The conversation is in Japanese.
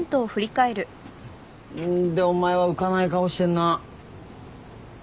でお前は浮かない顔してんな。